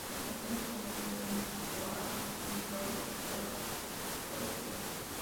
Las canciones ""Come To Me"" y ""Why Is Love So Hard To Find?